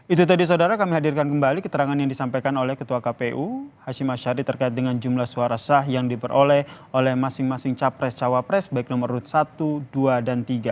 itu tadi saudara kami hadirkan kembali keterangan yang disampaikan oleh ketua kpu hashim ashari terkait dengan jumlah suara sah yang diperoleh oleh masing masing capres cawapres baik nomor urut satu dua dan tiga